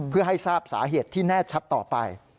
เพื่อให้ทราบสาเหตุที่แน่ชัดต่อไป